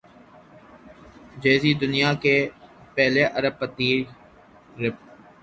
جے Z دنیا کے پہلے ارب پتی ریپر